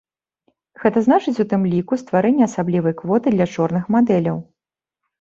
Гэта значыць, у тым ліку, стварэнне асаблівай квоты для чорных мадэляў.